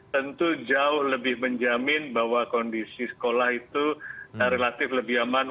tentu jauh lebih menjamin bahwa kondisi sekolah itu relatif lebih aman